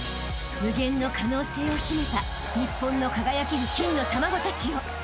［無限の可能性を秘めた日本の輝ける金の卵たちよ］